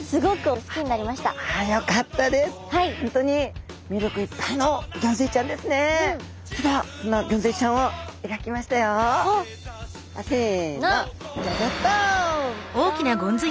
せのギョギョッと！